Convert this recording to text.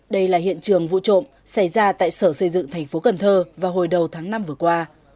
đây là hiện trường vụ trộm xảy ra tại sở xây dựng thành phố cần thơ vào hồi đầu tháng năm vừa qua